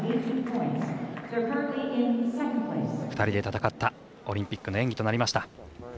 ２人で戦ったオリンピックの演技となりました。